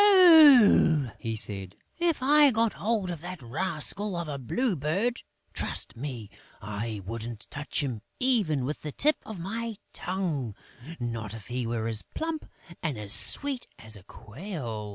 "Ah," he said, "if I got hold of that rascal of a Blue Bird, trust me, I wouldn't touch him even with the tip of my tongue, not if he were as plump and sweet as a quail!"